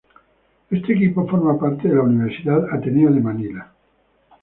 Este equipo forma parte de la Universidad Ateneo de Manila.